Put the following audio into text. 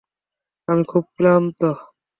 আমি খুব ক্লান্ত!